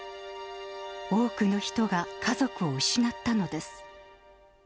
多くの人が家族を失ったのです。